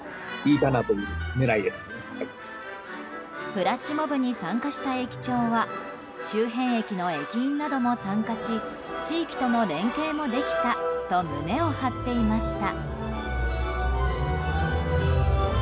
フラッシュモブに参加した駅長は周辺駅の駅員なども参加し地域との連携もできたと胸を張っていました。